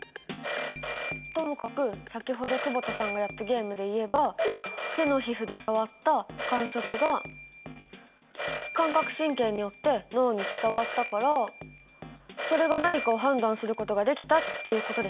ともかく先ほど久保田さんがやったゲームで言えば手の皮膚で触った感触が感覚神経によって脳に伝わったからそれが何かを判断することができたっていうことですかね？